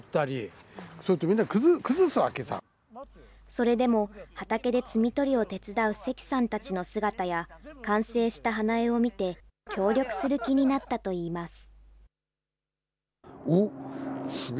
それでも畑で摘み取りを手伝う関さんたちの姿や、完成した花絵を見て、協力する気になったといいます。